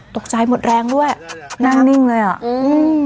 ตกใจหมดแรงด้วยนั่งนิ่งเลยอ่ะอืม